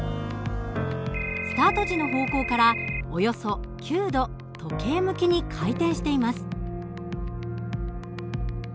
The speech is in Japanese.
スタート時の方向からおよそ９度時計向きに回転しています。